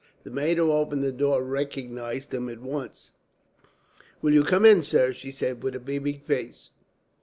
The maid who opened the door recognized him at once. "Will you come in, sir?" she said, with a beaming face.